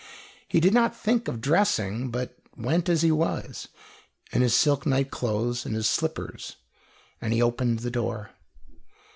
He did not think of dressing, but went as he was, in his silk night clothes and his slippers, and he opened the door.